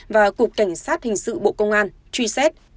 và cục cảnh sát hình sự bộ công an truy xét